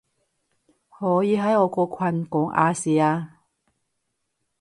可以喺我個群講亞視啊